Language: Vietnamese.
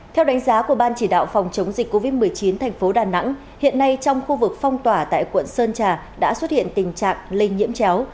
theo đánh giá của ban chỉ đạo phòng chống dịch covid một mươi chín thành phố đà nẵng hiện nay trong khu vực phong tỏa tại quận sơn trà đã xuất hiện tình trạng lây nhiễm chéo